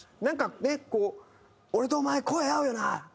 なんかねこう俺とお前声合うよな！